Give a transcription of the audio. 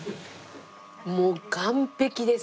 もう完璧です。